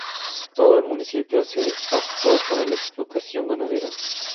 Todo el municipio es apto para la explotación ganadera.